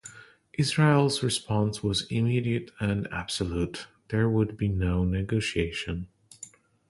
Israel's response was immediate and absolute: there would be no negotiation.